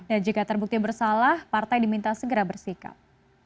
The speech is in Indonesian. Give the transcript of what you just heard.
dan jika terbukti bersalah partai diminta segera bersikap